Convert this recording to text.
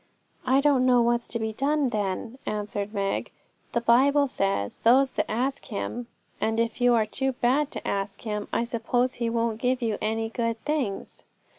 'I don't know what's to be done, then,' answered Meg. 'The Bible says, "Those that ask Him"; and if you are too bad to ask Him, I suppose He won't give you any good things.'